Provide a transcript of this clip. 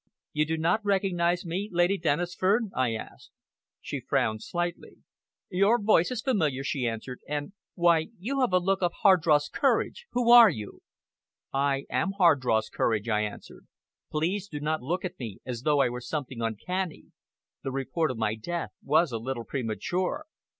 "You do not recognize me, Lady Dennisford?" I asked. She frowned slightly. "Your voice is familiar," she answered, "and why, you have a look of Hardross Courage! Who are you?" "I am Hardross Courage," I answered. "Please do not look at me as though I were something uncanny. The report of my death was a little premature!"